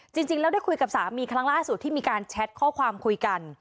จริงแล้วได้คุยกับสามีครั้งล่าสุดที่มีการแชทข้อความคุยกัน